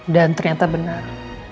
dan ternyata benar